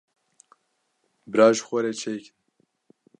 bira ji xwe re çê kin.